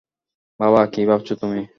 বাবা, কী ভাবছো তুমি?